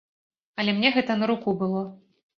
Але мне гэта на руку было.